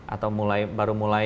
atau mulai baru mulai